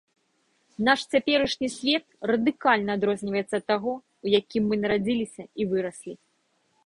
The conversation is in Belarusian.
Наш цяперашні свет радыкальна адрозніваецца ад тога, у якім мы нарадзіліся і выраслі.